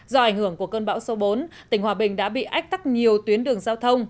do ảnh hưởng của cơn bão số bốn tỉnh hòa bình đã bị ách tắc nhiều tuyến đường giao thông